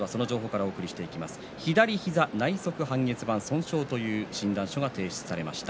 左膝内側半月板損傷という診断書が提出されました。